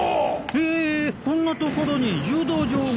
へえこんなところに柔道場が。